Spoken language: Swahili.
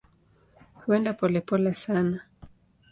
Huenda polepole sana.